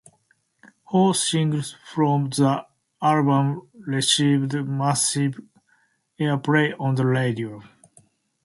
Four singles from the album received massive airplay on the radio.